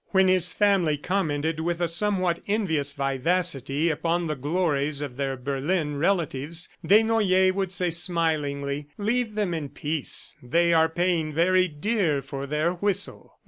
When his family commented with a somewhat envious vivacity upon the glories of their Berlin relatives, Desnoyers would say smilingly, "Leave them in peace; they are paying very dear for their whistle."